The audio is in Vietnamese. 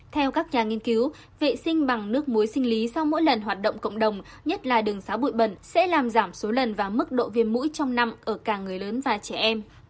theo các nhà nghiên cứu vệ sinh bằng nước muối sinh lý sau mỗi lần hoạt động cộng đồng nhất là đường xá bụi bẩn sẽ làm giảm số lần và mức độ viêm mũi trong năm ở cả người lớn và trẻ em